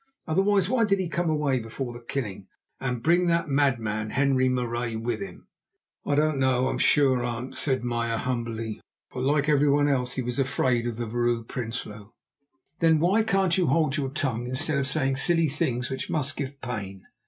Otherwise why did he come away before the killing and bring that madman, Henri Marais, with him?" "I don't know, I am sure, aunt," said Meyer humbly, for like everyone else he was afraid of the Vrouw Prinsloo. "Then why can't you hold your tongue instead of saying silly things which must give pain?"